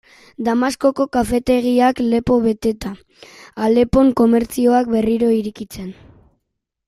Damaskoko kafetegiak lepo beteta, Alepon komertzioak berriro irekitzen...